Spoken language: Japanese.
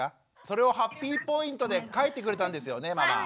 それをハッピーポイントで書いてくれたんですよねママ。